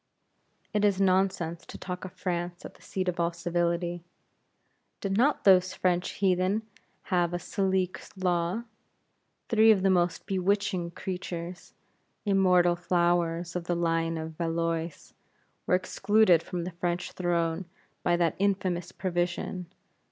It is nonsense to talk of France as the seat of all civility. Did not those French heathen have a Salique law? Three of the most bewitching creatures, immortal flowers of the line of Valois were excluded from the French throne by that infamous provision.